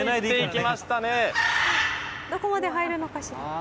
どこまで入るのかしら。